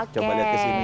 coba lihat kesini